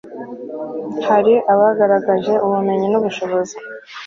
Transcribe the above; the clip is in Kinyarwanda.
hari abagaragaje ubumenyi n'ubushobozi